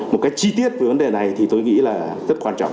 một cái chi tiết về vấn đề này thì tôi nghĩ là rất quan trọng